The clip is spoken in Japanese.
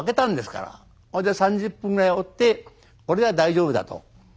ほいで３０分ぐらいおってこれは大丈夫だと。